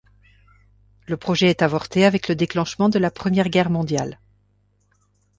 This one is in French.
Le projet est avorté avec le déclenchement de la Première Guerre mondiale.